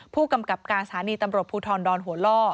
ผู้กำกับการสถานีตำรวจภูทรดอนหัวล่อ